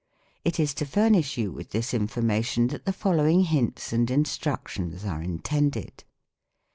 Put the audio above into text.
It is to furnish you with this information that the following hints and instructions are intended.